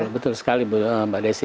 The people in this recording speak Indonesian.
betul sekali mbak desi